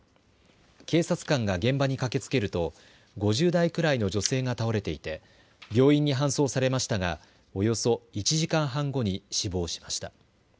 警察官が現場に駆けつけると５０代くらいの女性が倒れていて病院に搬送されましたがおよそ１時間半後に死亡しました。